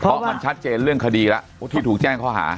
เพราะมันชัดเจนเรื่องคดีแล้วที่ถูกแจ้งข้อหา